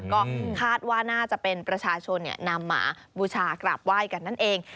ก็คาดว่าน่าจะเป็นประชาชนนำหมาบูชากราบไหว้กันนั่นเอง